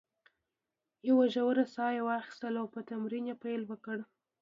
یوه ژوره ساه یې واخیستل او په تمرین یې پیل وکړ.